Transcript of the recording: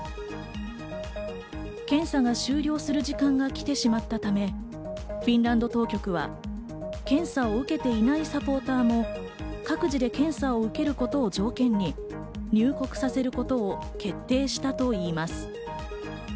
検査が終了する時間が来てしまったためフィンランド当局は、検査を受けていないサポーターも各自で検査を受けることを条件に入国させることを決定したといいます。